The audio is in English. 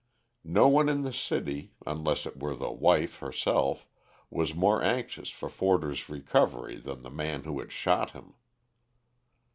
No one in the city, unless it were the wife herself, was more anxious for Forder's recovery than the man who had shot him.